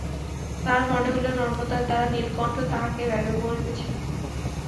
তাহার মনে হইল, নম্রতার দ্বারা নীলকণ্ঠ তাহাকে ব্যাঙ্গ করিতেছে।